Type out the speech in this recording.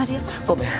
ごめん。